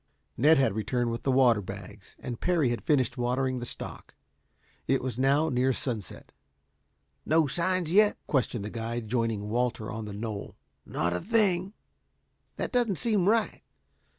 Ned had returned with the water bags, and Parry had finished watering the stock. It was now near sunset. "No signs yet?" questioned the guide, joining Walter on the knoll. "Not a thing." "That doesn't seem right.